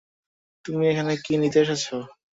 তুমি এখানে কি নিতে এসছো?